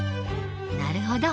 なるほど。